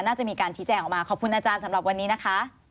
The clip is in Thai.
น่าจะมีการชี้แจงออกมาขอบคุณอาจารย์สำหรับวันนี้นะคะ